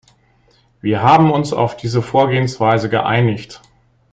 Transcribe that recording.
Wir haben uns auf diese Vorgehensweise geeinigt.